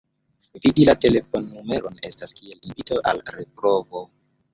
Vidi la telefonnumeron estas kiel invito al reprovo.